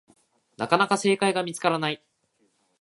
なかなか正解が見つからない